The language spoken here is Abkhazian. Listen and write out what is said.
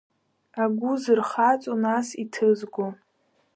Агәы зырхаҵо, нас, иҭызго…